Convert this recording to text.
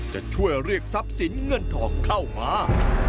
จะช่วยเรียกทรัพย์สินเงินทองเข้ามา